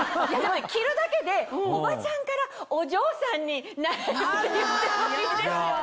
着るだけでおばちゃんからお嬢さんになれるって言ってもいいですよね。